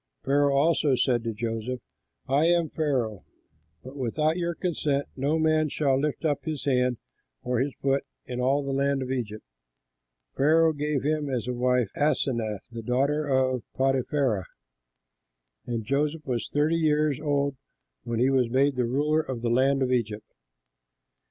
Pharaoh also said to Joseph, "I am Pharaoh, but without your consent no man shall lift up his hand or his foot in all the land of Egypt." Pharaoh gave him as a wife Asenath, the daughter of Potiphera. And Joseph was thirty years old when he was made the ruler of the land of Egypt.